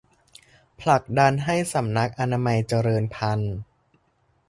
ผลักดันให้สำนักอนามัยเจริญพันธุ์